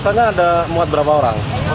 biasanya ada muat berapa orang